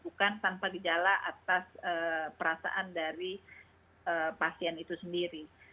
bukan tanpa gejala atas perasaan dari pasien itu sendiri